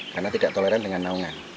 karena tidak toleran dengan naungan